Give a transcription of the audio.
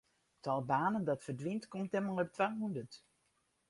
It tal banen dat ferdwynt komt dêrmei op twahûndert.